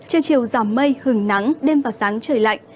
chiều chiều giảm mây hừng nắng đêm và sáng trời lạnh